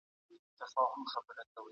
څوارلس عدد دئ.